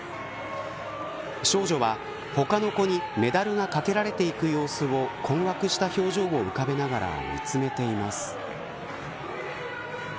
少女は、他の子にメダルがかけられていく様子を困惑した表情を浮かべながら見つめています。